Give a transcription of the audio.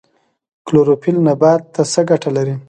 کلوروفیل نبات ته څه ګټه لري؟